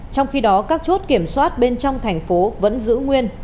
trong khi đó các chốt kiểm soát bên trong thành phố vẫn giữ nguyên